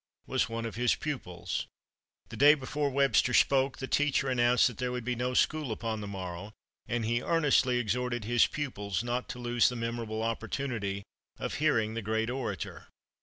was one of his pupils. The day before Webster spoke, the teacher announced that there would be no school upon the morrow, and he earnestly exhorted his pupils not to lose the memorable opportunity of hearing the great orator.